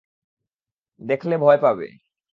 দেখলে ভয় পাবে।